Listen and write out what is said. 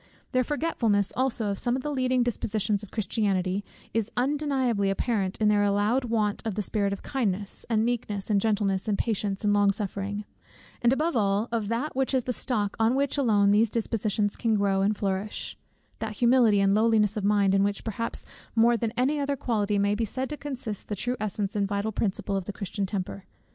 Their forgetfulness also of some of the leading dispositions of Christianity, is undeniably apparent in their allowed want of the spirit of kindness, and meekness, and gentleness, and patience, and long suffering; and above all, of that which is the stock on which alone these dispositions can grow and flourish, that humility and lowliness of mind, in which perhaps more than in any other quality may be said to consist the true essence and vital principle of the Christian temper.